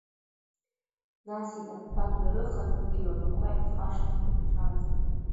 Нас инапқәа дҩарыхан, илабақәа ихашҭны иҿааихеит…